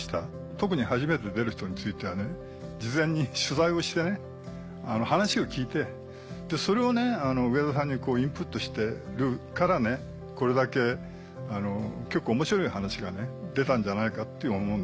特に初めて出る人については事前に取材をして話を聞いてそれを上田さんにインプットしてるからこれだけ結構面白い話が出たんじゃないかって思うんです。